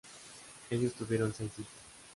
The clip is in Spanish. Ellos tuvieron seis hijos.